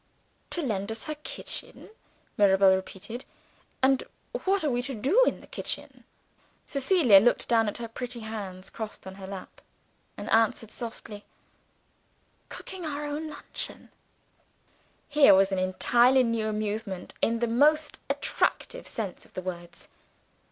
"To lend us her kitchen," Mirabel repeated. "And what are we to do in the kitchen?" Cecilia looked down at her pretty hands crossed on her lap, and answered softly, "Cook our own luncheon." Here was an entirely new amusement, in the most attractive sense of the words!